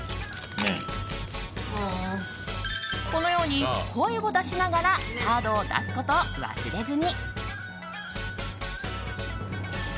このように声を出しながらカードを出すことを忘れずに。